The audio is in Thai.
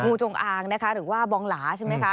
จงอางนะคะหรือว่าบองหลาใช่ไหมคะ